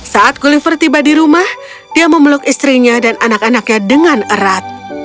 saat gulliver tiba di rumah dia memeluk istrinya dan anak anaknya dengan erat